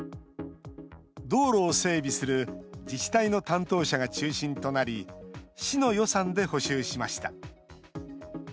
道路を整備する自治体担当者が中心となり、市の予算で補修しました。